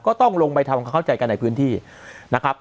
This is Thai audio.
ก็ต้องลงไปทำความเข้าใจกันในพื้นที่นะครับ